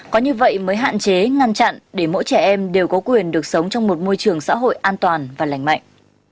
có như vậy mới hạn chế ngăn chặn để mỗi trẻ em đều có quyền được sống trong một môi trường xã hội an toàn và lành mạnh